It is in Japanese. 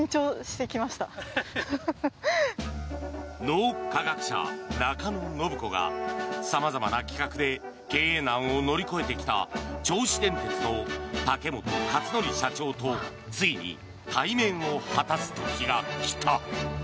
脳科学者・中野信子が様々な企画で経営難を乗り越えてきた銚子電鉄の竹本勝紀社長とついに対面を果たす時が来た。